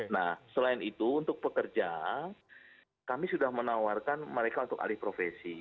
nah selain itu untuk pekerja kami sudah menawarkan mereka untuk alih profesi